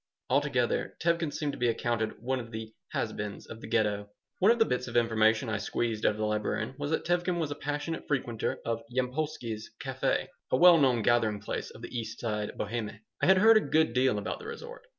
Altogether, Tevkin seemed to be accounted one of the "has beens" of the Ghetto One of the bits of information I squeezed out of the librarian was that Tevkin was a passionate frequenter of Yampolsky's café, a well known gathering place of the East Side Bohème I had heard a good deal about the resort.